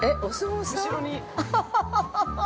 後ろに。